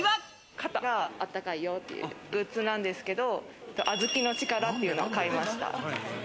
肩があったかいよっていうグッズなんですけど、あずきのチカラっていうのを買いました。